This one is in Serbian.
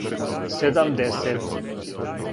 седамдесет